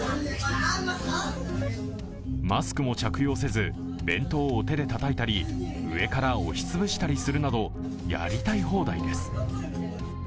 マスクも着用せず弁当を手でたたいたり上から押し潰したりするなどやりたい放題です。